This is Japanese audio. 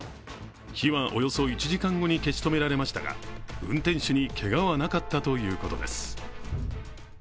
火はおよそ１時間後に消し止められましたが運転手にけがはなかったということです。